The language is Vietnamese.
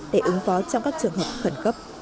để ứng phó trong các trường hợp khẩn cấp